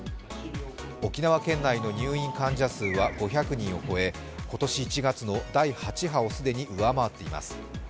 沖縄県内の入院患者数は５００人を超え、今年１月の第８波を既に上回っています。